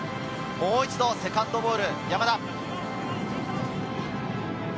もう一度セカンドボール。